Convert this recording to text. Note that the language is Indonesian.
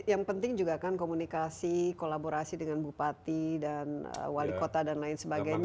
yang penting juga kan komunikasi kolaborasi dengan bupati dan wali kota dan lain sebagainya